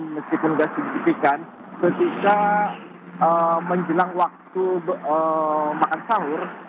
meskipun sudah signifikan ketika menjelang waktu makan sahur